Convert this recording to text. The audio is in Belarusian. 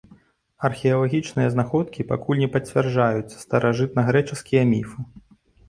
Археалагічныя знаходкі пакуль не пацвярджаюць старажытнагрэчаскія міфы.